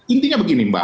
intinya begini mbak